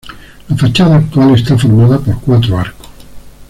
La fachada actual está formada por cuatro arcos.